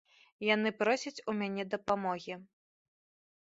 Яны просяць у мяне дапамогі.